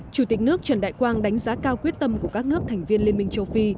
chủ tịch nước trần đại quang đánh giá cao quyết tâm của các nước thành viên liên minh châu phi